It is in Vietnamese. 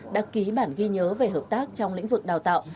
đã ký bản ghi nhớ về hợp tác trong lĩnh vực đào tạo